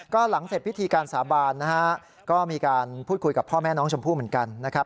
ก็หลังเสร็จพิธีการสาบานนะฮะก็มีการพูดคุยกับพ่อแม่น้องชมพู่เหมือนกันนะครับ